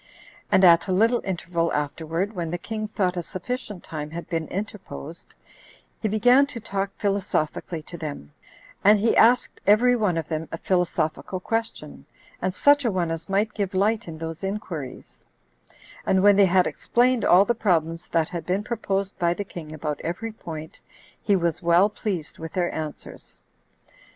And at a little interval afterward, when the king thought a sufficient time had been interposed, he began to talk philosophically to them, and he asked every one of them a philosophical question 9 and such a one as might give light in those inquiries; and when they had explained all the problems that had been proposed by the king about every point, he was well pleased with their answers.